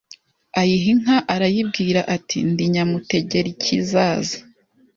" Ayiha inka, arayibwira, ati: "Ndi Nyamutegerikizaza